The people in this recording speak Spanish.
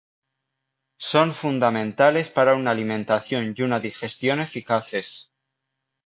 Son fundamentales para una alimentación y una digestión eficaces.